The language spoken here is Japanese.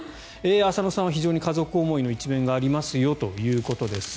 浅野さんは非常に家族思いな一面がありますよと。